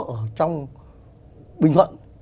ở trong bình thuận